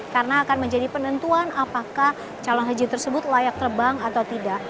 karena akan menjadi penentuan apakah calon haji tersebut layak terbang atau tidak